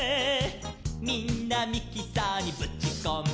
「みんなミキサーにぶちこんで」